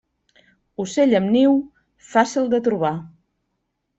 Ocell amb niu, fàcil de trobar.